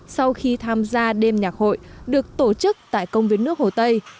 sau khi tham gia đêm nhạc hội được tổ chức tại công viên nước hồ tây